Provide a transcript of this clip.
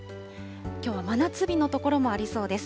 きょうは真夏日の所もありそうです。